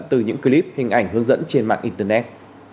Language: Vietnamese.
từ những clip hình ảnh hướng dẫn trên mạng internet